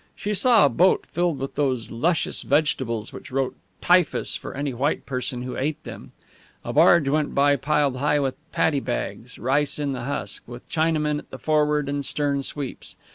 She saw a boat filled with those luscious vegetables which wrote typhus for any white person who ate them. A barge went by piled high with paddy bags rice in the husk with Chinamen at the forward and stern sweeps.